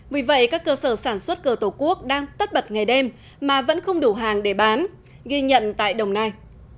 vì vậy các cơ sở sản xuất cờ tổ quốc đang tất bật ngày đêm mà vẫn không đủ hàng để bán ghi nhận tại đồng nai